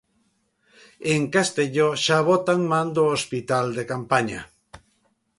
En Castelló xa botan man do hospital de campaña.